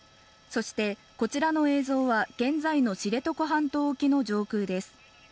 そしてこちらの映像は現在の知床半島沖の上空です